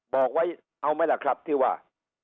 บอกไว้เอาไหมล่ะครับที่ว่า